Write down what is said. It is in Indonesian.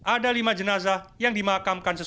ada lima jenazah yang dimakamkan secara berbeda